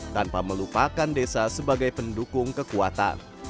tanpa melupakan desa sebagai pendukung kekuatan